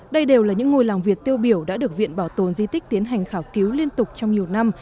đây đều là những ngôi làng việt tiêu biểu đã được viện bảo tồn di tích tiến hành khảo cứu liên tục trong nhiều năm